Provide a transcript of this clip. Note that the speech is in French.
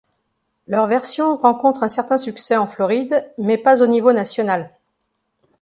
Leur version rencontre un certain succès en Floride, mais pas au niveau national.